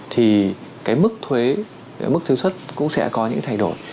thì cái mức thuế mức thuế xuất cũng sẽ có những thay đổi